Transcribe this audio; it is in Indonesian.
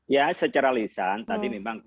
ya secara lisan tadi memang